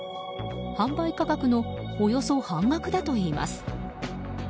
販売価格のおよそ半額だといいます。